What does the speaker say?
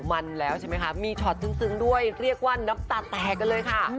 มันแล้วใช่ไหมคะมีช็อตซึ้งด้วยเรียกว่าน้ำตาแตกกันเลยค่ะ